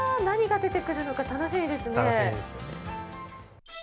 何が出てくるのか楽しみですね。